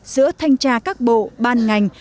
giữa thanh tra các bộ ban ngành